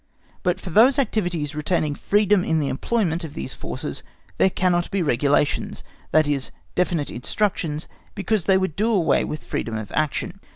But for those activities retaining freedom in the employment of these forces there cannot be regulations, that is, definite instructions, because they would do away with freedom of action.